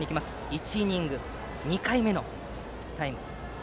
１イニング２回目のタイム。